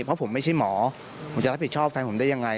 เพราะผมไม่ใช่หมอผมจะรับผิดชอบแฟนผมได้ยังไง